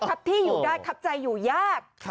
ที่อยู่ได้ครับใจอยู่ยาก